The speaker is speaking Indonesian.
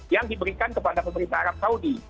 yang diberikan kepada pemerintah arab saudi